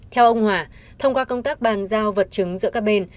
theo ông hòa thông qua công tác bàn giao vật chứng giữa các bên